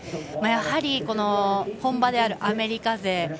やはり、本場であるアメリカ勢。